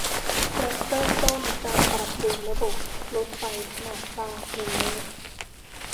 และเริ่มต้นการปรับปรุงระบบรถไฟขนาดรางหนึ่งเมตร